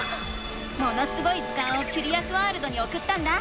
「ものすごい図鑑」をキュリアスワールドにおくったんだ。